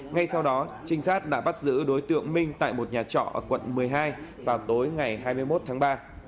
ngay sau đó trinh sát đã bắt giữ đối tượng minh tại một nhà trọ ở quận một mươi hai vào tối ngày hai mươi một tháng ba